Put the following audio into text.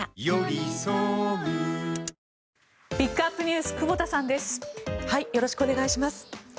よろしくお願いします。